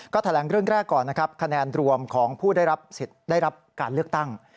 ก็แสดงเรื่องแรกก่อนแผลรวมของผู้ได้รับการเลือกตั้ง